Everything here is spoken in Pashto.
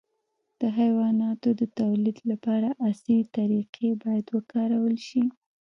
د حیواناتو د تولید لپاره عصري طریقې باید وکارول شي.